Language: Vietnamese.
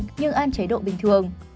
nhưng ăn cháy độ bình thường